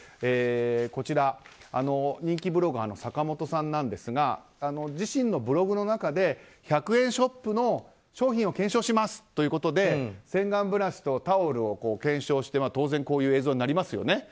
こちら、人気ブロガーの坂本さんなんですが自身のブログの中で１００円ショップの商品を検証しますということで洗顔ブラシとタオルを検証して当然こういう映像になりますよね。